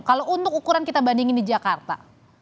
kalau untuk ukuran kita bandingin di jakarta